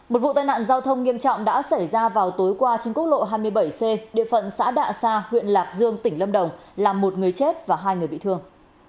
một vụ tai nạn giao thông nghiêm trọng đã xảy ra vào tối qua trên quốc lộ hai mươi bảy c địa phận xã đạ sa huyện lạc dương tỉnh lâm đồng làm một người chết và hai người bị thương